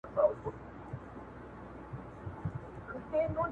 وروسته نو د اختر د مېوې نوبت رسیږي